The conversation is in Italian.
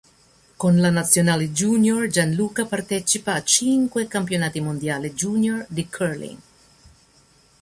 Con la nazionale junior Gianluca partecipa a cinque campionati mondiali junior di curling.